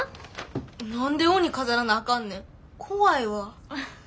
何で鬼飾らなあかんねん。怖いわ。